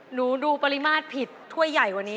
หนูดูปริมาตรผิดถ้วยใหญ่กว่านี้